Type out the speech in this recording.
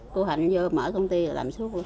cô hạnh vô mở công ty làm suốt